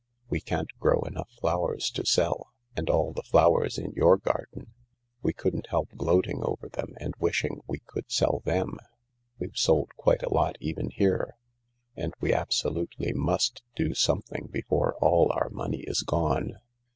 We can't grow enough flowers to sell ; and all the flowers in your garden ... We couldn't help gloating over them and wishing we could sell them. We've sold quite a lot even here. And we absolutely must do something before all our money is gone.